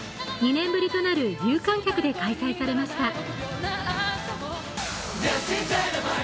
２年ぶりとなる有観客で開催されました。